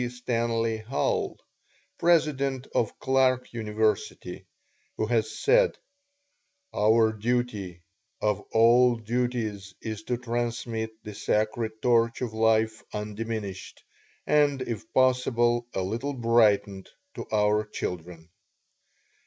Stanley Hall, president of Clark University, who has said: "Our duty of all duties is to transmit the sacred torch of life undiminished, and, if possible, a little brightened, to our children.